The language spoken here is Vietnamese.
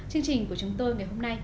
chương trình của chúng tôi ngày hôm nay